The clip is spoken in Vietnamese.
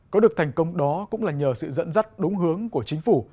có được thành công đó cũng là nhờ sự dẫn dắt đúng hướng của chính phủ